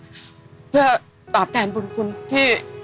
เด็กก็ทุกที่ที่ปรับเราไปก็จะเห็นพระบบรมประชายาหลักอยู่ในทุกที่